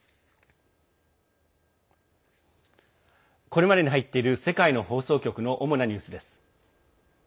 これまでに入っている世界の放送局の主なニュースです。